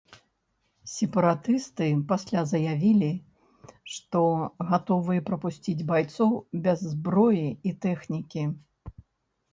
Сепаратысты пасля заявілі, што гатовыя прапусціць байцоў без зброі і тэхнікі.